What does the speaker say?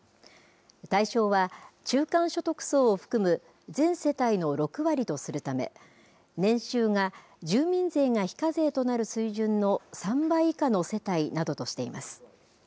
対象は、中間所得層を含む全世帯の６割とするため、年収が住民税が非課税となる水準の３倍以下の世帯などとしています。